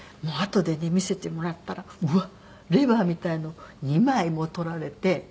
あとでね見せてもらったらうわレバーみたいなのを２枚も取られて。